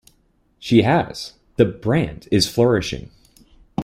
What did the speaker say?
She has: The brand is flourishing.